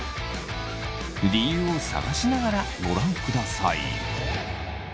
理由を探しながらご覧ください。